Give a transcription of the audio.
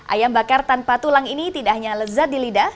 ayam bakar tanpa tulang ini tidak hanya lezat di lidah